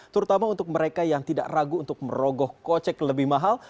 terutama untuk mereka yang tidak ragu untuk merogoh kocek lebih mahal